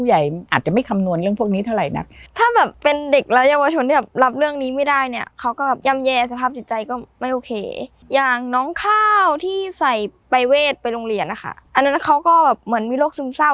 อันนั้นเขาก็เหมือนมีโรคซึมเศร้า